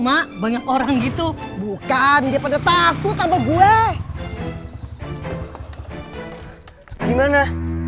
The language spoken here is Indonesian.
mak banyak orang gitu bukan dia pada takut sama gue gimana